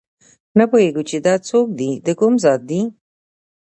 نه پوهېږو چې دا څوک دي دکوم ذات دي